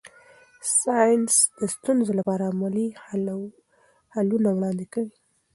ساینس د ستونزو لپاره عملي حلونه وړاندې کوي.